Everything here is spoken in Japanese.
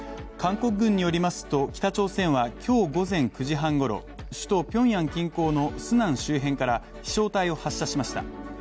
韓国軍によりますと、北朝鮮は今日午前９時半ごろ首都ピョンヤン近郊のスナン周辺から飛しょう体を発射しました。